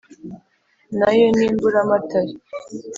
Nayo ni Mburamatare,